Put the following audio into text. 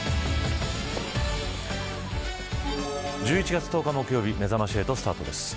１１月１０日木曜日めざまし８スタートです。